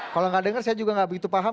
kalau gak dengar saya juga gak begitu paham